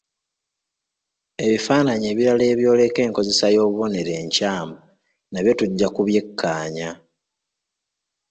Ebifaananyi ebirala ebyoleka enkozesa y'obubonero enkyamu nabyo tujja kubyekaanya.